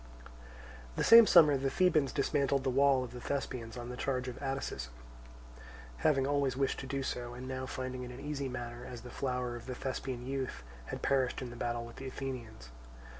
The same summer the Thebans dismantled the wall of the Thespians on the charge of Atticism, having always wished to do so, and now finding it an easy matter, as the flower of the Thespian youth had perished in the battle with the Athenians.